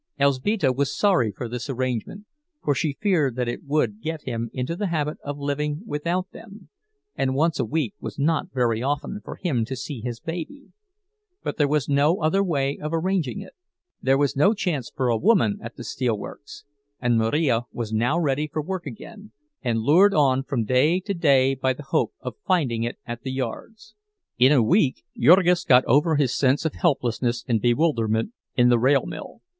Elzbieta was sorry for this arrangement, for she feared that it would get him into the habit of living without them, and once a week was not very often for him to see his baby; but there was no other way of arranging it. There was no chance for a woman at the steelworks, and Marija was now ready for work again, and lured on from day to day by the hope of finding it at the yards. In a week Jurgis got over his sense of helplessness and bewilderment in the rail mill.